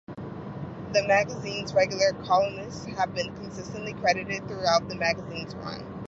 The magazine's regular columnists have been consistently credited throughout the magazine's run.